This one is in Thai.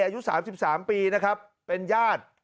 อายุ๓๓ปีนะครับเป็นญาติ